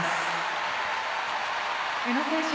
宇野選手